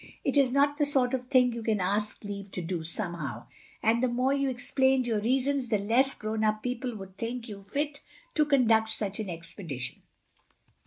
It is not the sort of thing you can ask leave to do, somehow. And the more you explained your reasons the less grown up people would think you fit to conduct such an expedition.